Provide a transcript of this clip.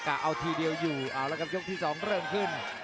กะเอาทีเดียวอยู่แล้วก็ยกที่สองเริ่มขึ้น